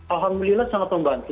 alhamdulillah sangat membantu